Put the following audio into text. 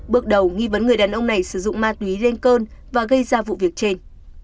bước đầu nghi vấn người đàn ông này sử dụng ma túy lên cơn và gây ra vụ việc trên